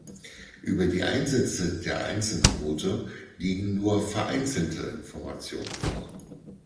Über die Einsätze der einzelnen Boote liegen nur vereinzelte Informationen vor.